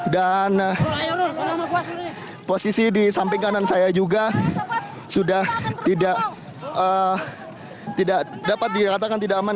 dan posisi di samping kanan saya juga sudah tidak dapat dikatakan tidak aman